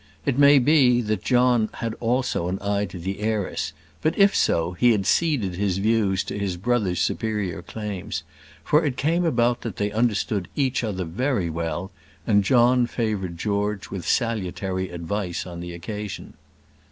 It may be that John had also an eye to the heiress; but, if so, he had ceded his views to his brother's superior claims; for it came about that they understood each other very well, and John favoured George with salutary advice on the occasion.